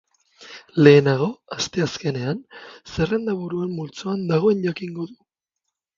Lehenago, asteazkenean, zerrendaburuen multzoan dagoen jakingo du.